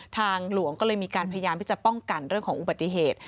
ทางหลวงก็เลยมีการพยายามที่จะป้องกันเรื่องของอุบัติเหตุ